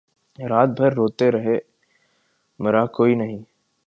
رات بھر روتے رہے مرا کوئی نہیں